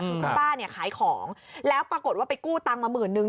คุณป้าเนี่ยขายของแล้วปรากฏว่าไปกู้ตังค์มาหมื่นนึง